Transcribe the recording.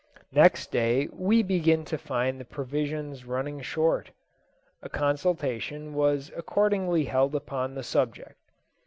Next day we began to find the provisions running short. A consultation was accordingly held upon the subject.